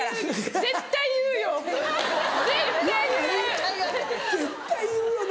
絶対言うよな。